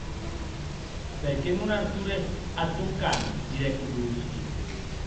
Per qué non artures ath tòn gosset?, didec Oblonsky.